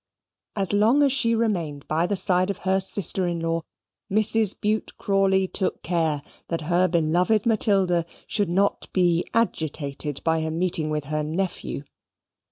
As long as she remained by the side of her sister in law, Mrs. Bute Crawley took care that her beloved Matilda should not be agitated by a meeting with her nephew.